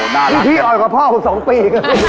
บ้าจังพี่เอาอยู่กับพ่อผม๒ปี